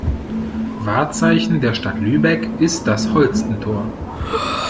Wahrzeichen der Stadt Lübeck ist das Holstentor.